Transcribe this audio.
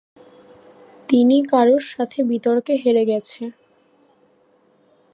তিনি কারোর সাথে বিতর্কে হেরে গেছে।